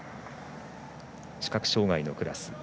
視覚障がいのクラス。